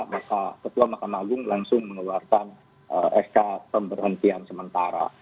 maka ketua mahkamah agung langsung mengeluarkan sk pemberhentian sementara